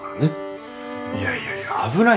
いやいやいや危ないっすよ。